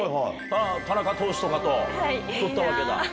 田中投手とかと撮ったわけだ。